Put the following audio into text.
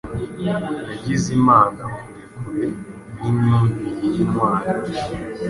Yagize Imana-kure-kure nimyumvire yintwari